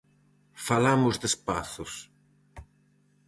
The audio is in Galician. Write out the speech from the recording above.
Falamos de espazos...